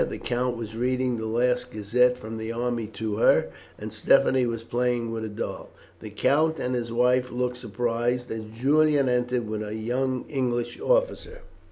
The count was reading the last gazette from the army to her, and Stephanie was playing with a doll. The count and his wife looked surprised as Julian entered with a young English officer.